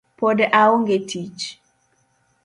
Pod aonge tich